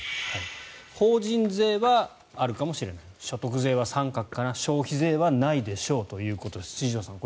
法人税はあるかもしれない所得税は三角かな消費税はないでしょうということです。